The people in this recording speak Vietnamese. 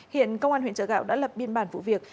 hiện công an huyện chợ gạo đã lập biên bản vụ việc